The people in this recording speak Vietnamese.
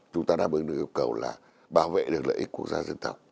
chúng ta đã đáp ứng được cái yêu cầu là bảo vệ được lợi ích quốc gia dân tộc